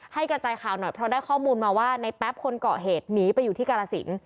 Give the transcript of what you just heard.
กระจายข่าวหน่อยเพราะได้ข้อมูลมาว่าในแป๊บคนเกาะเหตุหนีไปอยู่ที่กาลสิน